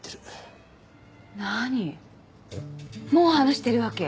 もう話してるわけ？